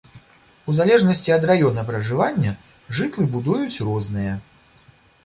У залежнасці ад раёна пражывання жытлы будуюць розныя.